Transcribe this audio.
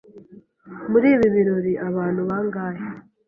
Muri ibi birori abantu bangahe?